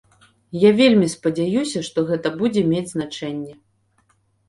Я вельмі спадзяюся, што гэта будзе мець значэнне.